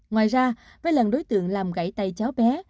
ngoài ra với lần đối tượng làm gãy tay cháu bé